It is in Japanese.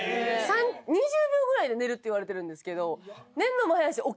２０秒ぐらいで寝るって言われてるんですけど。